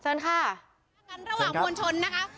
เป็นการประทากันระหว่างมวลชนนะคะ